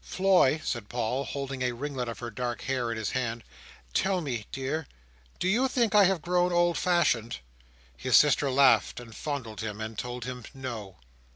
"Floy," said Paul, holding a ringlet of her dark hair in his hand. "Tell me, dear, Do you think I have grown old fashioned?" His sister laughed, and fondled him, and told him "No."